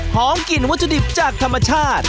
กลิ่นวัตถุดิบจากธรรมชาติ